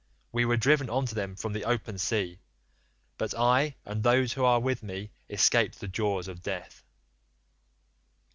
We were driven on to them from the open sea, but I and those who are with me escaped the jaws of death.